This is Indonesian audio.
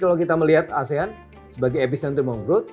jadi kalau kita melihat asean sebagai epicenter of growth